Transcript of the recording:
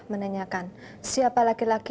menanyakan siapa laki laki